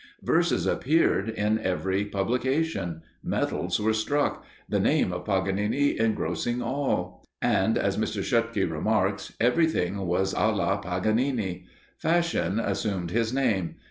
Verses appeared in every publication medals were struck the name of Paganini engrossing all; and, as M. Schottky remarks, everything was à la Paganini. Fashion assumed his name.